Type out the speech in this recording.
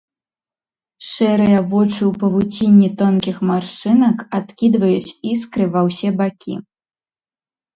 Шэрыя вочы ў павуцінні тонкіх маршчынак адкідваюць іскры ва ўсе бакі.